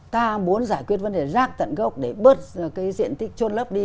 ta muốn giải quyết vấn đề rác tận gốc để bớt cái diện tích trôn lấp đi